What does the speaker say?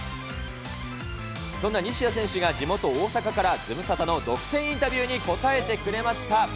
そんな西矢選手が地元、大阪からズムサタの独占インタビューに答えてくれました。